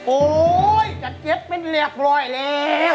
โอ๊ยจัดเก็บเป็นเรียบร้อยแล้ว